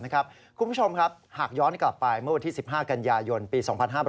คุณผู้ชมครับหากย้อนกลับไปเมื่อวันที่๑๕กันยายนปี๒๕๕๘